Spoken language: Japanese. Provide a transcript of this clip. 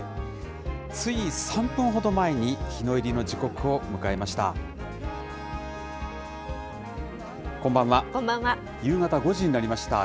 つい３分ほど前に日の入りの時刻を迎えました。